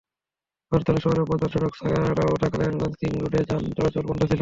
হরতালে শহরের প্রধান সড়ক ছাড়াও ঢাকা-নারায়ণগঞ্জ লিংক রোডে যান চলাচল বন্ধ ছিল।